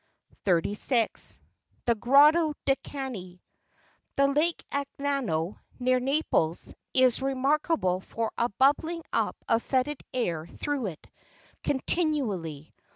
36 . The Grotto del Cani . The lake Agnano, near Naples, is remarkable for a bubbling up of fetid air through it, continu¬ ally.